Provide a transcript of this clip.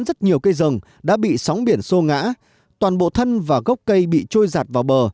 rất nhiều cây rừng đã bị sóng biển sô ngã toàn bộ thân và gốc cây bị trôi giặt vào bờ